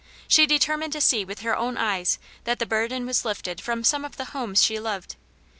She determined to see with her own eyes that the burden was lifted from some of the homes she loved.